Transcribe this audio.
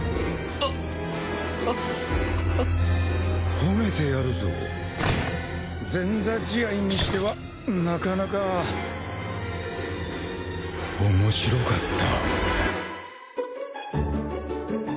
褒めてやるぞ前座試合にしてはなかなかおもしろかった。